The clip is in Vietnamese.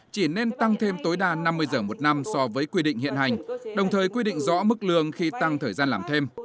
chỉ nên tăng thêm tối đa năm mươi giờ một năm so với quy định hiện hành đồng thời quy định rõ mức lương khi tăng thời gian làm thêm